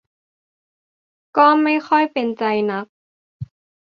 ก็ไม่ค่อยเป็นใจนัก